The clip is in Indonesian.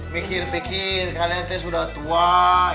mikir pikir kalian ini sudah tua ya